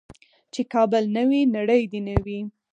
چې کابل نه وي نړۍ دې نه وي.